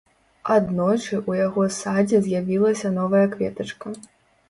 Аднойчы ў яго садзе з'явілася новая кветачка.